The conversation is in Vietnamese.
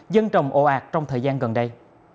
dân trồng ồ ạt trong thời gian gần đây